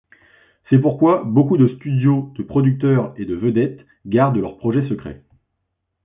C'est pourquoi beaucoup de studios, de producteurs et de vedettes gardent leurs projets secrets.